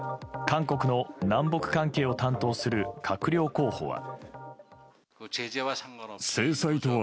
韓国の南北関係を担当する閣僚候補は。